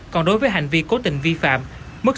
còn đối với hành vi cố tình vi phạm